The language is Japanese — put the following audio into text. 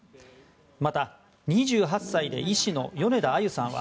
また、２８歳で医師の米田あゆさんは